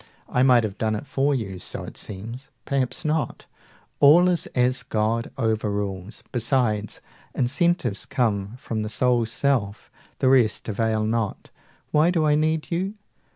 I might have done it for you. So it seems: Perhaps not. All is as God overrules. Beside, incentives come from the soul's self; The rest avail not. Why do I need you?